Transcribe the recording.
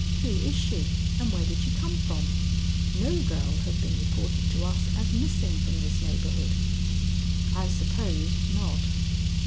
Who is she, and where did she come from? No girl has been reported to us as missing from this neighborhood." "I supposed not."